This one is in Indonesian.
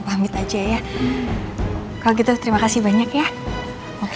yeah oanyak ya aku okey untuk yang kedua